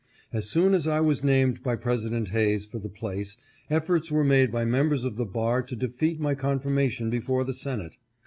As soon as I was named by President Hayes for the place, efforts were made by members of the bar to defeat my confirmation before the Senate.